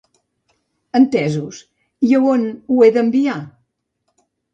Entesos, i a on ho he d'enviar?